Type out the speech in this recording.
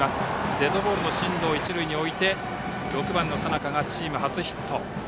デッドボールで進藤を一塁へ置いて６番の佐仲がチーム初ヒット。